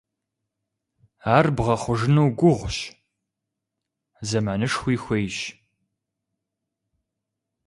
Ар бгъэхъужыну гугъущ, зэманышхуи хуейщ.